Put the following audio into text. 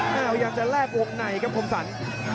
แล้วอยากจะแลกวงในนะครับคมสัน